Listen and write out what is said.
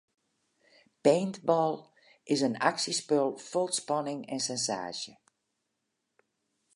Paintball is in aksjespul fol spanning en sensaasje.